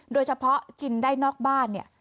โดยเฉพาะกินได้นอกบ้านเนี่ย